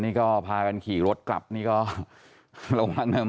นี่ก็พากันขี่รถกลับนี่ก็ระวังนะ